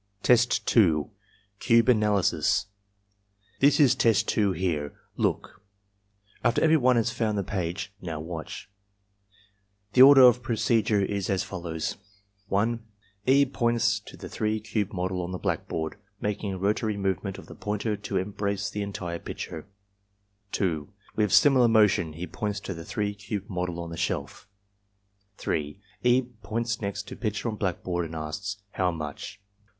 Test 2. — Cube Analysis "This is Test 2 here. Look." After every one has foimd the page — "Now watch." The order of procedm*e is as follows: (1) E. points to the three cube model on the blackboard, making a rotary movement of the pointer to embrace the entire picture. 84 • ARMY MENTAL TESTS (2) With similar motion he points to the three cube model on shelf. (3) E. points next to picture on blackboard and asks, "How much?"